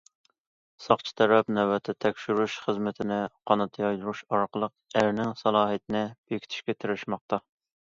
ساقچى تەرەپ نۆۋەتتە تەكشۈرۈش خىزمىتىنى قانات يايدۇرۇش ئارقىلىق ئەرنىڭ سالاھىيىتىنى بېكىتىشكە تىرىشماقتا.